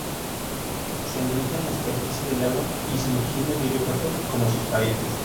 Se alimenta en la superficie del agua y sumergiendo medio cuerpo, como sus parientes.